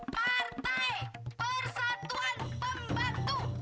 partai persatuan pembantu